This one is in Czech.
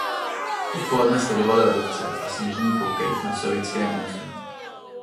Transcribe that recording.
Odpoledne sledovali ledovce a sněžný pokryv na sovětském území.